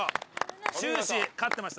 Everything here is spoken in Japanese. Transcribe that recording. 終始勝ってました。